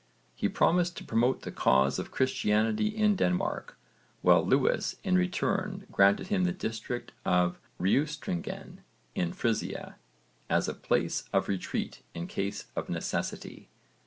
He promised to promote the cause of Christianity in Denmark, while Lewis in return granted him the district of Riustringen in Frisia as a place of retreat in case of necessity.